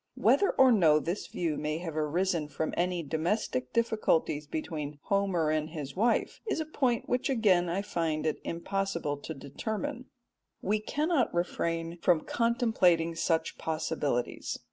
Whether or no this view may have arisen from any domestic difficulties between Homer and his wife is a point which again I find it impossible to determine. We cannot refrain from contemplating such possibilities.